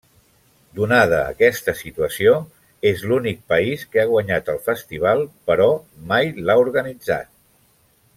Donada aquesta situació, és l'únic país que ha guanyat el festival però mai l'ha organitzat.